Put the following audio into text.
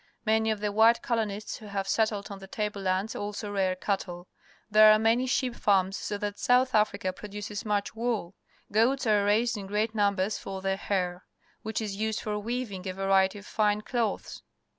Many of the white colonists who have settled on the table lands also rear cattle^ There are many sheep farms, so that South Africa produces much wool. Goa ts are raised in great numbers for their hair, which is used for weaving a variety of fine cloths.